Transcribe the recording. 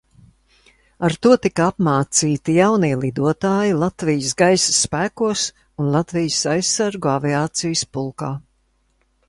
Ar to tika apmācīti jaunie lidotāji Latvijas Gaisa spēkos un Latvijas Aizsargu aviācijas pulkā.